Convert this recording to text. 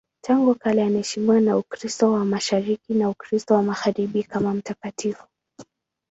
Tangu kale anaheshimiwa na Ukristo wa Mashariki na Ukristo wa Magharibi kama mtakatifu.